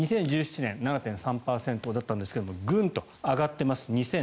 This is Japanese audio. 韓国、２０１７年７．３％だったんですがグンと上がってます。